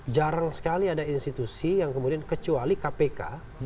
jarang sekali ada institusi yang kemudian kecuali kpk